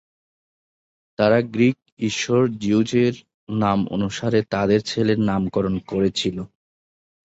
তাঁরা গ্রীক ঈশ্বর জিউস-এর নাম অনুসারে তাঁদের ছেলের নামকরণ করেছিল।